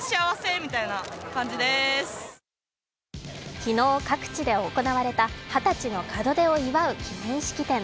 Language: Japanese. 昨日、各地で行われた二十歳の門出を祝う記念式典。